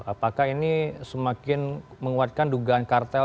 apakah ini semakin menguatkan dugaan kartel